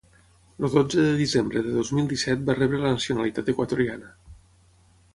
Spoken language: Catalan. El dotze de desembre de dos mil disset va rebre la nacionalitat equatoriana.